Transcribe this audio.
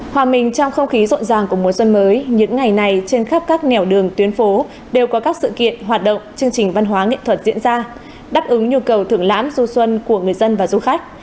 hòa mình trong không khí rộn ràng của mùa xuân mới những ngày này trên khắp các nẻo đường tuyến phố đều có các sự kiện hoạt động chương trình văn hóa nghệ thuật diễn ra đáp ứng nhu cầu thưởng lãm du xuân của người dân và du khách